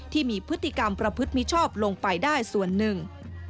ที่มีพฤติกรรมประพฤติมิชอบลงไปได้ส่วนหนึ่ง